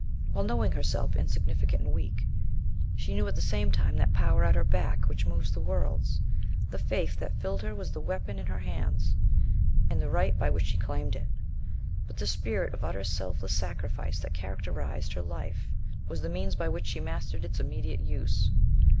While knowing herself insignificant and weak, she knew at the same time that power at her back which moves the worlds. The faith that filled her was the weapon in her hands, and the right by which she claimed it; but the spirit of utter, selfless sacrifice that characterized her life was the means by which she mastered its immediate use.